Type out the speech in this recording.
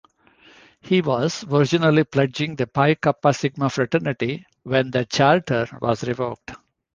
He was originally pledging The Phi Kappa Sigma Fraternity when their charter was revoked.